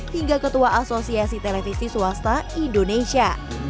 hingga ketua asosiasi televisi swasta indonesia